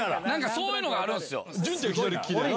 そういうのがあるんすよ。